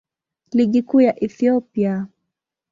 Ligi Kuu ya Ethiopia.